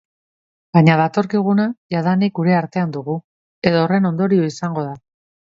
Baina datorkiguna jadanik gure artean dugu, edo horren ondorio izango da.